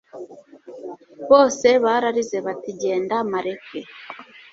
Bose bararize bati Genda Maleque